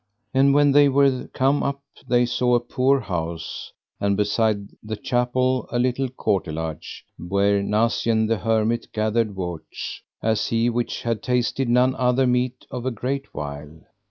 And when they were come up they saw a poor house, and beside the chapel a little courtelage, where Nacien the hermit gathered worts, as he which had tasted none other meat of a great while.